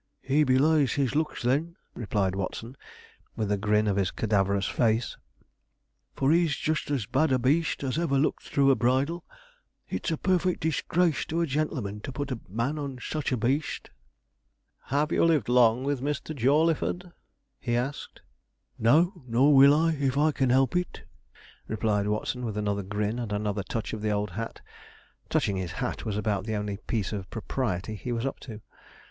'He belies his looks, then,' replied Watson, with a grin of his cadaverous face, 'for he's just as bad a beast as ever looked through a bridle. It's a parfect disgrace to a gentleman to put a man on such a beast.' Sponge saw the sort of man he had got to deal with, and proceeded accordingly. 'Have you lived long with Mr. Jawleyford?' he asked. 'No, nor will I, if I can help it,' replied Watson, with another grin and another touch of the old hat. Touching his hat was about the only piece of propriety he was up to.